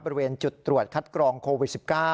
บริเวณจุดตรวจคัดกรองโควิด๑๙